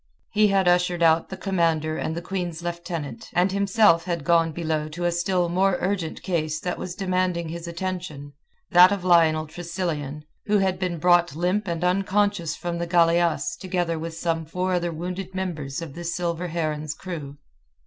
He had ushered out the commander and the Queen's Lieutenant, and himself had gone below to a still more urgent case that was demanding his attention—that of Lionel Tressilian, who had been brought limp and unconscious from the galeasse together with some four other wounded members of the Silver Heron's crew.